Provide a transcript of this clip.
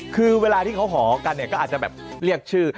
คือเวลาที่เขาหอกันเนี่ยก็อาจจะแบบเรียกชื่อ